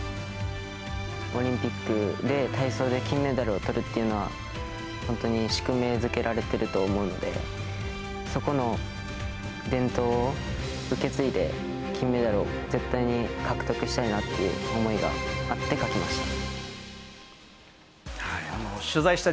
オリンピックで体操で金メダルをとるというのは、本当に宿命づけられてると思うので、そこの伝統を受け継いで、金メダルを絶対に獲得したいなっていう思いがあって書きました。